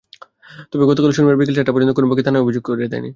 তবে গতকাল শনিবার বিকেল চারটা পর্যন্ত কোনো পক্ষই থানায় কোনো অভিযোগ দেয়নি।